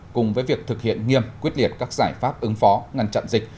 cùng với việc thực hiện nghiêm quyết liệt các giải pháp ứng phó ngăn chặn dịch